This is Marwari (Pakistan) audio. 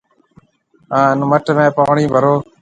هان مٽ ۾ پاڻِي ڀرو